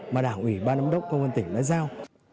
mà đảng ủy ban ấm đốc công an tỉnh đã giao